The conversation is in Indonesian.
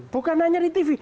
bukan hanya di tv